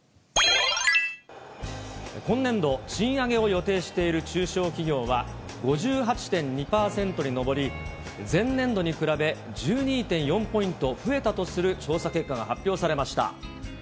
今年度、賃上げを予定している中小企業は５８．２％に上り、前年度に比べ、１２．４ポイント増えたとする調査結果が発表されました。